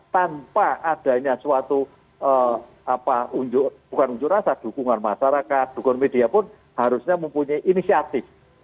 tanpa adanya suatu bukan unjuk rasa dukungan masyarakat dukungan media pun harusnya mempunyai inisiatif